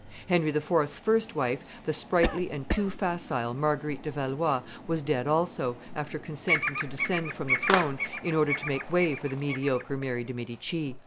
Henry IV.'s first wife, the sprightly and too facile Marguerite de Valois, was dead also, after consenting to descend from the throne in order to make way for the mediocre Mary de' Medici.